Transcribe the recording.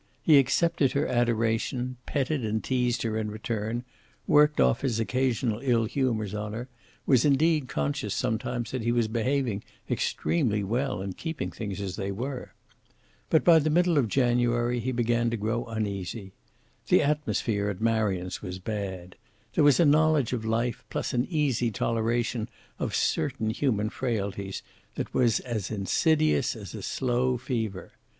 He accepted her adoration, petted and teased her in return, worked off his occasional ill humors on her, was indeed conscious sometimes that he was behaving extremely well in keeping things as they were. But by the middle of January he began to grow uneasy. The atmosphere at Marion's was bad; there was a knowledge of life plus an easy toleration of certain human frailties that was as insidious as a slow fever.